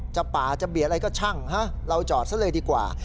ป่าจะเบียดอะไรก็ช่างเราจอดซะเลยดีกว่า